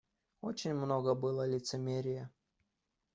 Очень много было лицемерия.